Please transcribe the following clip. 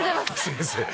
先生